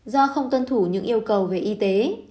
do không tuân thủ những yêu cầu về y tế